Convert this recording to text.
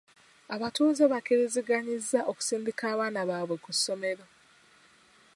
Abatuuze bakkiriziganyizza okusindika abaana baabwe ku ssomero.